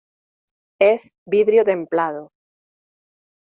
es vidrio templado.